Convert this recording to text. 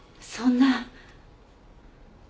そんな。